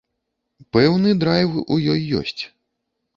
Пэўны драйв у ёй ёсць.